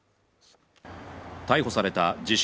逮捕された自称